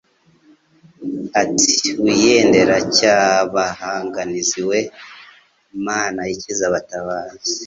Ati » Wiyendere NcyahabaganiziWe mana ikiza abatabazi. »